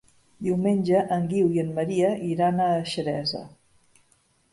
Diumenge en Guiu i en Maria iran a Xeresa.